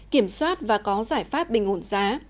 kiểm soát và có giải pháp bình ổn giá